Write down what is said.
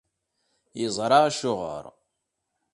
Yeẓra acuɣer.